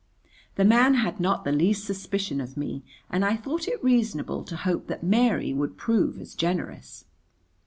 The man had not the least suspicion of me, and I thought it reasonable to hope that Mary would prove as generous.